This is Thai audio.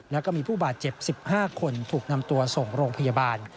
แล้วก็มีผู้บาดเจ็บ๑๕คนถูกนำตัวส่งโรงพยาบาล